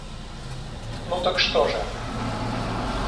Ну так что же?